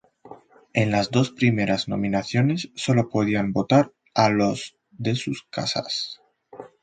En las dos primeras nominaciones solo podían votar a los de sus casas.